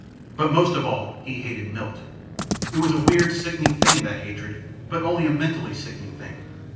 But most of all, he hated Milt. It was a weird, sickening thing, that hatred. But only a mentally sickening thing.